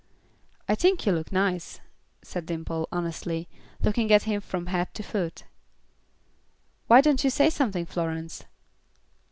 "I think you look nice," said Dimple, honestly, looking at him from head to foot. "Why don't you say something, Florence?"